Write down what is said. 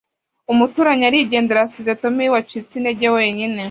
Umuturanyi arigendera asize Tom wacitse intege wenyine